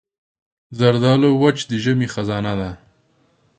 زردالو وچ د ژمي خزانه ده.